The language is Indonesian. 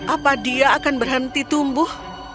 apa dia akan berhenti tumbuh